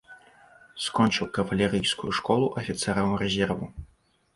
Скончыў кавалерыйскую школу афіцэраў рэзерву.